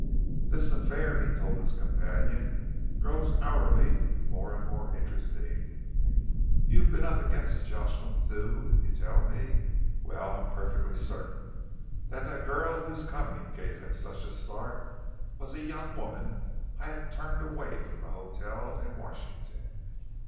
"This affair," he told his companion, "grows hourly more and more interesting. You've been up against Jocelyn Thew, you tell me. Well, I am perfectly certain that that girl, whose coming gave him such a start, was a young woman I had turned away from an hotel in Washington.